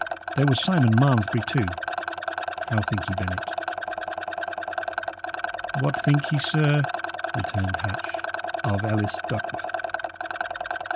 There was Simon Malmesbury, too. How think ye, Bennet?" "What think ye, sir," returned Hatch, "of Ellis Duckworth?"